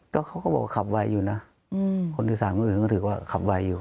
ก็เขาก็บอกว่าขับไวอยู่น่ะอืมคนที่สามก็ถือว่าขับไวอยู่